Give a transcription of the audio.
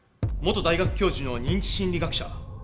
元大学教授の認知心理学者。